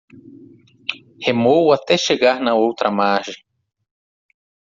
Remou até chegar na outra margem